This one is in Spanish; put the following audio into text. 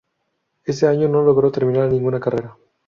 Ese año no logró terminar ninguna carrera.